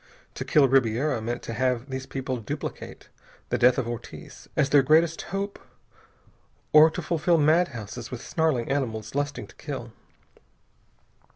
To kill Ribiera meant to have these people duplicate the death of Ortiz, as their greatest hope, or to fill madhouses with snarling animals lusting to kill....